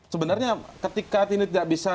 sebenarnya ketika ini tidak bisa